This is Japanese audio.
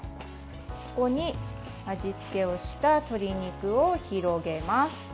ここに味付けをした鶏肉を広げます。